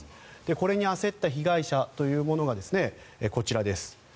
これに焦った被害者というものがこちらです。